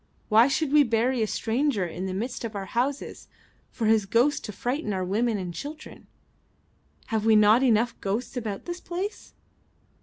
Why should we bury a stranger in the midst of our houses for his ghost to frighten our women and children? Have we not enough ghosts about this place?"